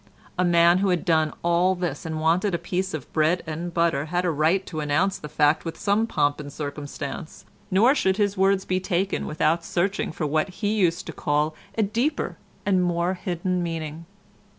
A man who had done all this and wanted a piece of bread and butter had a right to announce the fact with some pomp and circumstance. Nor should his words be taken without searching for what he used to call a "deeper and more hidden meaning."